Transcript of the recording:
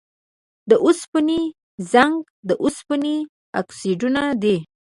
د اوسپنې زنګ د اوسپنې اکسایدونه دي.